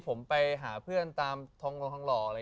ผมไปหาเพื่อนตามท้องหล่อ